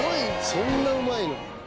そんなうまいの？